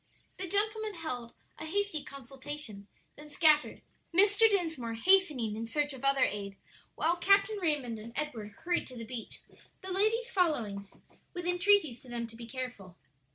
The gentlemen held a hasty consultation, then scattered, Mr. Dinsmore hastening in search of other aid, while Captain Raymond and Edward hurried to the beach, the ladies following with entreaties to them to be careful.